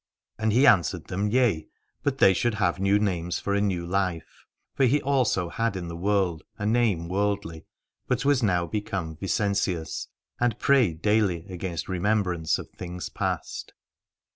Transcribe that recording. And he answered them, Yea, but they should have new names for a new life ; for he also had in the world a name worldly, but was now become Vincentius, and prayed daily against remembrance of things past.